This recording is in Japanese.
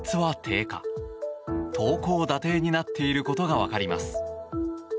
低になっていることが分かります。